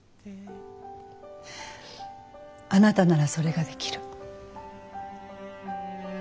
あなたならそれができる。